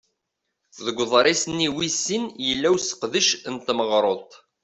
Deg uḍṛis-nni wis sin yella useqdec n tmeɣruḍt.